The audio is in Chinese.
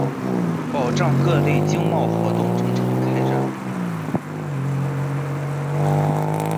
保障各类经贸活动正常开展